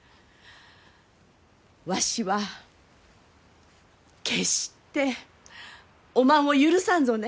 わしは決しておまんを許さんぞね。